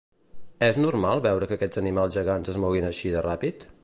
És normal veure que aquests animals gegants es moguin així de ràpid?